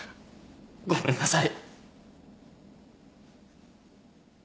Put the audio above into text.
ごめんなさい。